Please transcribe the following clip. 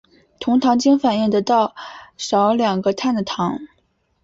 酮糖经反应得到少两个碳的糖。